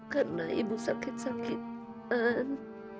karena ibu sakit sakitan